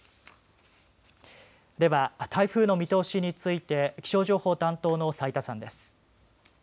では、台風の見通しについて気象情報担当の斉田さんです。